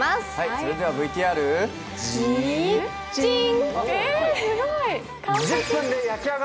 それではＶＴＲジーー、チン！